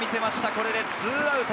これで２アウト。